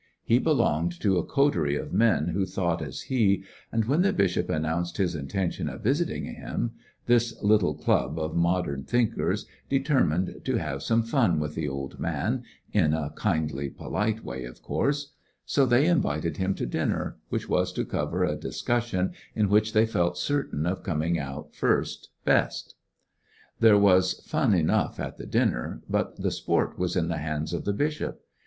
He belonged to a coterie of men who thought as he, and when the bishop announced his intention of visiting him, this little club of modern thinkers determined to have some 192 ]}/li8sionarY in tP^ Great West fan with the old man— in a kindly polite way, of course 5 so they invited him to dinner, which was to cover a discussion in which they felt certain of coming out first best. There was fun enough at the dinner, but the sport was in the hands of the bishop.